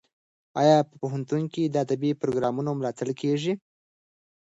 ایا په پوهنتون کې د ادبي پروګرامونو ملاتړ کیږي؟